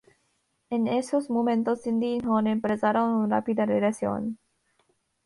En esos momentos Cindy y John empezaron una rápida relación.